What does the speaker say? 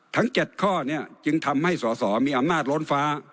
ทั้ง๗ข้อเนี่ยจึงทำให้สอสอมีอำนาจล้นฟ้า